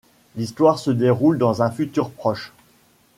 L'histoire se déroule dans un futur proche.